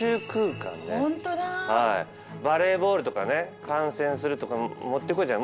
バレーボールとかね観戦するとかもってこいじゃん。